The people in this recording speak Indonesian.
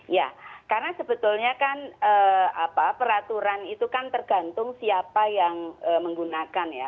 ya karena sebetulnya kan peraturan itu kan tergantung siapa yang menggunakan ya